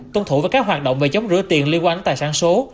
tôn thủ các hoạt động về chống rửa tiền liên quan đến tài sản số